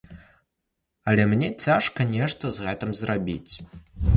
Але мне цяжка нешта з гэтым зрабіць.